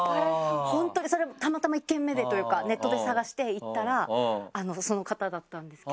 本当にそれたまたま１軒目でというかネットで探して行ったらその方だったんですけど。